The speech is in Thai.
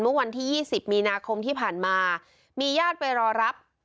เมื่อวันที่๒๐มีนาคมที่ผ่านมามีญาติไปรอรับ